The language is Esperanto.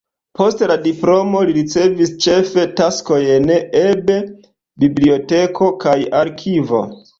Post la diplomo li ricevis ĉefe taskojn eb biblioteko kaj arkivo.